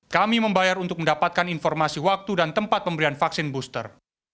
kami membayar untuk mendapatkan informasi waktu dan tempat pemberian vaksin booster